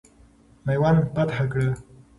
میوند فتح کړه.